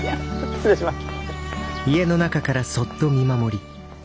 失礼します。